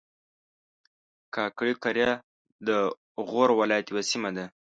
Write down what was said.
کاکړي قریه د غور ولایت یوه سیمه ده